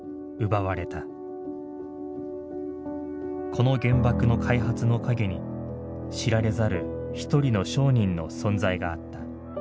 この原爆の開発の陰に知られざる一人の商人の存在があった。